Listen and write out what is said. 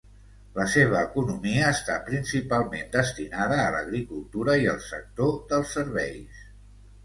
La seva economia està principalment destinada a l'agricultura i al sector dels serveis.